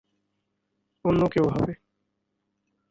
অন্য কেউ হবে।